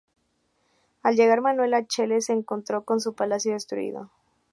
Al llegar Manuel a Cheles se encontró con su palacio destruido.